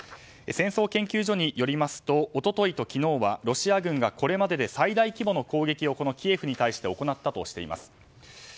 戦争研究所によりますと一昨日と昨日はロシア軍がこれまでで最大規模の攻撃をキエフに対して行ったとしています。